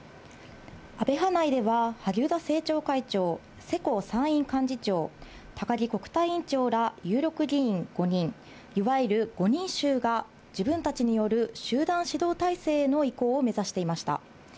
安倍派内では萩生田政調会長、世耕参院幹事長、高木国対委員長ら有力議員５人、いわゆる５人衆が自分たちによる集団指導体制への移行を目指していました。